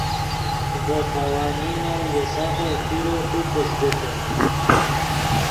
ڤے قوانینف ژے سافف پیرو تو پزگیتے